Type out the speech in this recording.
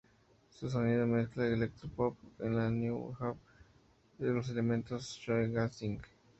Su sonido mezcla electropop con la New Wave y los elementos de shoegazing.